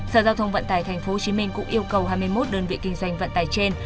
sở giao thông vận tải tp hcm cũng yêu cầu hai mươi một đơn vị kinh doanh vận tải trên